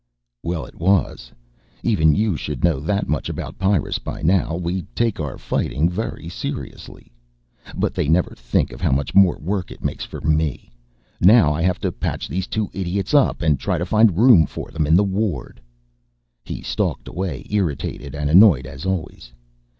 "Well it was. Even you should know that much about Pyrrus by now. We take our fighting very seriously. But they never think how much more work it makes for me. Now I have to patch these two idiots up and try to find room for them in the ward." He stalked away, irritated and annoyed as always.